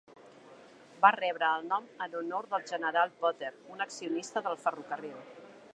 Va rebre el nom en honor del General Potter, un accionista del ferrocarril.